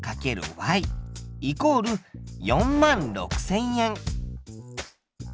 イコール４万６０００円。